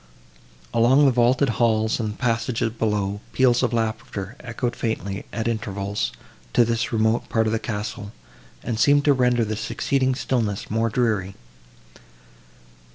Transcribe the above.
Along the vaulted halls and passages below, peals of laughter echoed faintly, at intervals, to this remote part of the castle, and seemed to render the succeeding stillness more dreary.